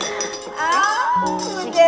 oh bu dewi makasih